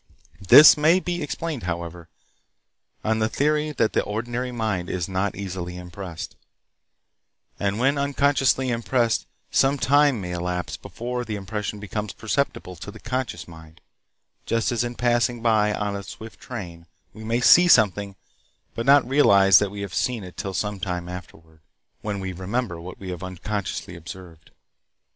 This may be explained, however, on the theory that the ordinary mind is not easily impressed, and when unconsciously impressed some time may elapse before the impression becomes perceptible to the conscious mind, just as in passing by on a swift train, we may see something, but not realize that we have seen it till some time afterward, when we remember what we have unconsciously observed.